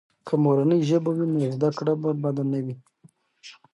که مورنۍ ژبه وي، نو زده کړه به بده نه وي.